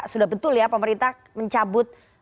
sudah betul ya pemerintah mencabut